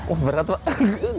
oh berat pak